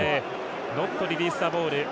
ノットリリースザボール。